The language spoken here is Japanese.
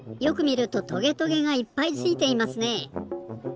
よくみるとトゲトゲがいっぱいついていますね。